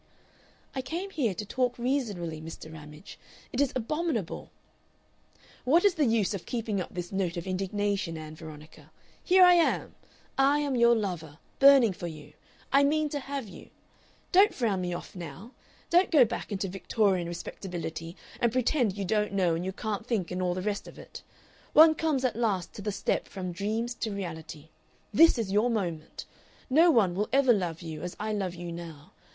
"I came here to talk reasonably, Mr. Ramage. It is abominable " "What is the use of keeping up this note of indignation, Ann Veronica? Here I am! I am your lover, burning for you. I mean to have you! Don't frown me off now. Don't go back into Victorian respectability and pretend you don't know and you can't think and all the rest of it. One comes at last to the step from dreams to reality. This is your moment. No one will ever love you as I love you now.